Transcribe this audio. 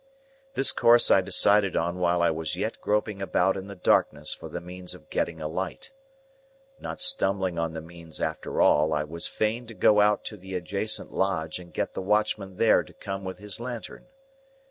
This course I decided on while I was yet groping about in the darkness for the means of getting a light. Not stumbling on the means after all, I was fain to go out to the adjacent Lodge and get the watchman there to come with his lantern.